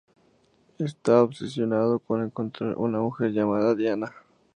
Está obsesionado con encontrar a una mujer llamada Diana.